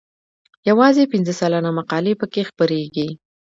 یوازې پنځه سلنه مقالې پکې خپریږي.